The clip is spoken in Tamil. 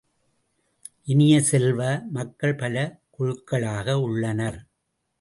இனிய செல்வ, மக்கள் பல குழுக்களாக உள்ளனர்.